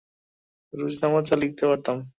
রোজনামচা লিখতে পারতাম।